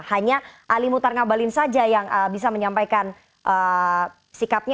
hanya ali mutarnagabalin saja yang bisa menyampaikan sikapnya